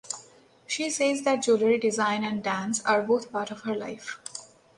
She says that jewellery design and dance are both part of her life.